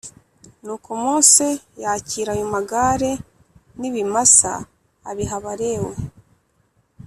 Nuko Mose yakira ayo magare n’ibimasa abiha Abalewi